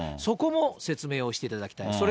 そこも説明をしていただきたい。